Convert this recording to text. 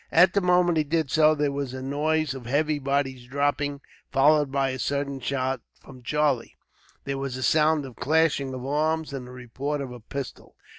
At the moment he did so, there was a noise of heavy bodies dropping, followed by a sudden shout from Charlie. There was a sound of clashing of arms, and the report of a pistol.